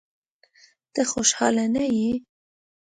ته خوشاله نه یې؟